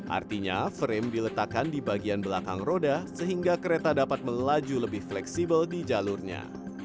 artinya frame diletakkan di bagian belakang roda sehingga kereta dapat melaju lebih fleksibel di jalurnya